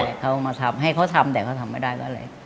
ใช่เขามาทำให้เขาทำแต่เขาทำไม่ได้ก็เลย